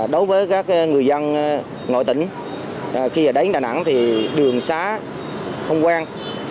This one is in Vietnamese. đối với các người dân ngoại tỉnh khi ở đáy đà nẵng thì đường xá không quen